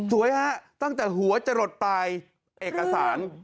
สวยฮะตั้งแต่หัวจะหลดไปเอกสาร